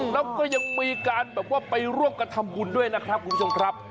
แล้วก็ยังมีการแบบว่าไปร่วมกันทำบุญด้วยนะครับคุณผู้ชมครับ